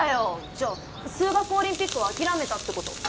じゃあ数学オリンピックは諦めたってこと？